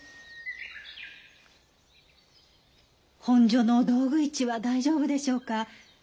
本所の道具市は大丈夫でしょうか。